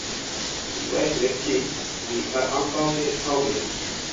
It was received with unbounded homage.